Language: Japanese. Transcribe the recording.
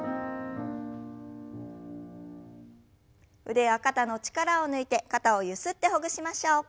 腕や肩の力を抜いて肩をゆすってほぐしましょう。